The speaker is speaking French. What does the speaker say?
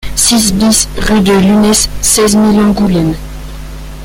six BIS rue de Lunesse, seize mille Angoulême